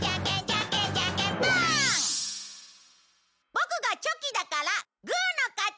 ボクがチョキだからグーの勝ち！